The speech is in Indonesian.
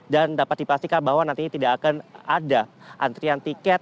dan dapat dipastikan bahwa nantinya tidak akan ada antrian tiket